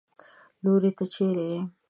لورې! ته چېرې يې؟